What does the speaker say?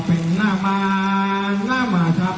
สุดท้ายสุดท้ายสุดท้าย